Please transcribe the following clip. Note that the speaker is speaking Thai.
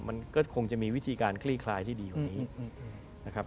มันก็คงจะมีวิธีการคลี่คลายที่ดีกว่านี้นะครับ